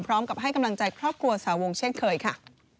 กำลังใจครอบครัวสาวงค์เช่นเคยค่ะ